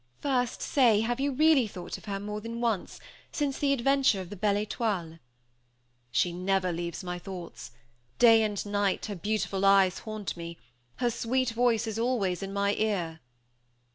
"First, say have you really thought of her, more than once, since the adventure of the Belle Étoile?" "She never leaves my thoughts; day and night her beautiful eyes haunt me; her sweet voice is always in my ear."